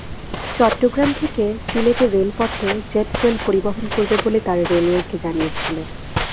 চট্টগ্রাম থেকে সিলেটে রেলপথে জেট ফুয়েল পরিবহন করবে বলে তারা রেলওয়েকে জানিয়েছিল।